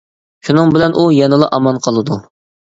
شۇنىڭ بىلەن ئۇ، يەنىلا ئامان قالىدۇ.